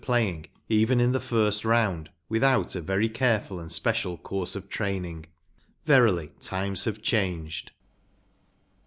playing even in the first round without a careful and special course of training* Verily times have changed.